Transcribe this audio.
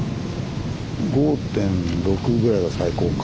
５．６ぐらいが最高か。